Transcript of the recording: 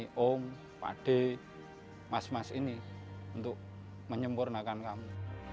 si om pak d mas mas ini untuk menyempurnakan kamu